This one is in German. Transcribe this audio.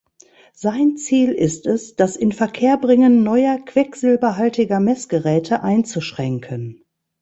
Sein Ziel ist es, das Inverkehrbringen neuer quecksilberhaltiger Messgeräte einzuschränken.